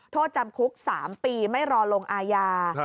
โทษจำคุก๓ปีไม่รอลงอาญา